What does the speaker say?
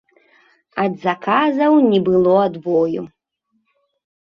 Ад заказаў не было адбою.